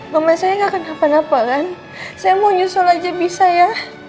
mau sampe kapan lo puas ngeliat gue menderita